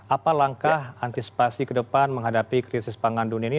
apa langkah antisipasi ke depan menghadapi krisis pangan dunia ini